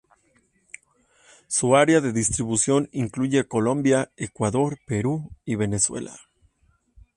Su área de distribución incluye Colombia, Ecuador, Perú y Venezuela.